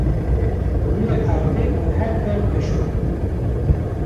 rûyê erdê û her der dişo.